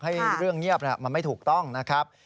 ให้เรื่องเงียบมันไม่ถูกต้องนะครับ